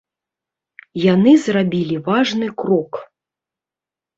Яны зрабілі важны крок.